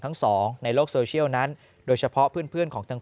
ทั้งสองในโลกโซเชียลนั้นโดยเฉพาะเพื่อนของทาง